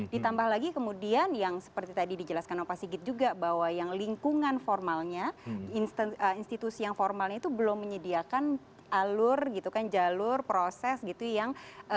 ditambah lagi kemudian yang seperti tadi dijelaskan pak sigit juga bahwa yang lingkungan formalnya institusi yang formalnya itu belum menyediakan alur gitu kan jalur proses gitu yang